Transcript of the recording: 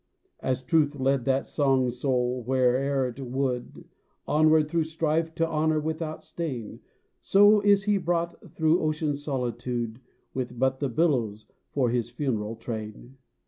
As Truth led that strong soul where'er it would Onward through strife to honor without stain, So is he brought through ocean's solitude, With but the billows for his funeral train.